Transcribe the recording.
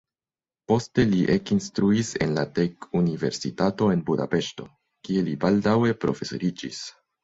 Poste li ekinstruis en la teknikuniversitato en Budapeŝto, kie li baldaŭe profesoriĝis.